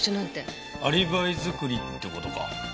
アリバイ作りって事か。